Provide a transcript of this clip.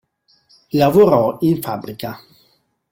Lavorò in fabbrica.